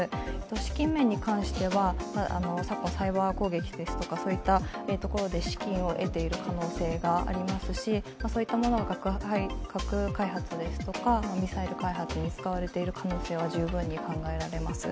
資金面に関しては、昨今、サイバー攻撃ですとか、そういったところで資金を得ている可能性がありますし、そういったものが核開発ですとかミサイル開発に使われている可能性は十分考えられます。